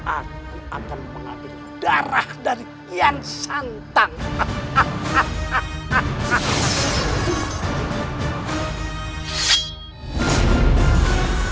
aku akan mengambil darah dari kian santang